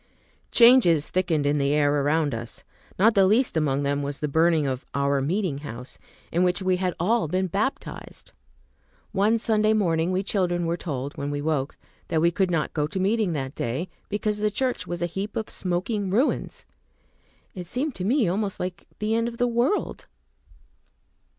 Changes thickened in the air around us. Not the least among them was the burning of "our meeting house," in which we had all been baptized. One Sunday morning we children were told, when we woke, that we could not go to meeting that day, because the church was a heap of smoking ruins. It seemed to me almost like the end of the world.